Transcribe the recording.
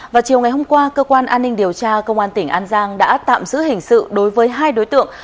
vào chiều ngày hôm qua cơ quan an ninh điều tra công an tỉnh an giang đã tạm giữ hình sự đối với hai đối tượng